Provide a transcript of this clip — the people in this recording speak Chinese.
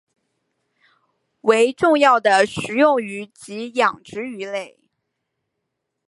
为重要的食用鱼及养殖鱼类。